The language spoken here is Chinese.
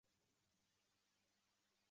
隐棘真缘吸虫为棘口科真缘属的动物。